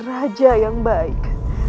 raja yang baik